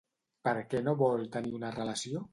Per què no vol tenir una relació?